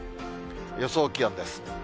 予想気温です。